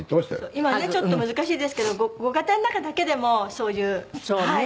今ねちょっと難しいですけどご家庭の中だけでもそういうはい。